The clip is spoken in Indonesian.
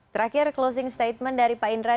terakhir closing statement dari pak indra